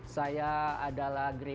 saya adalah gerita